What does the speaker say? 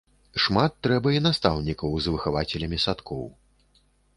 Шмат трэба і настаўнікаў з выхавацелямі садкоў.